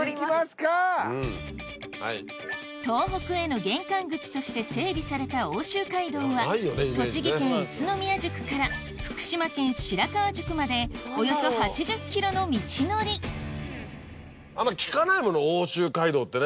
東北への玄関口として整備された奥州街道は栃木県宇都宮宿から福島県白河宿まであんま聞かないもの奥州街道ってね。